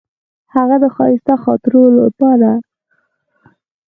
هغې د ښایسته خاطرو لپاره د ځلانده لمر سندره ویله.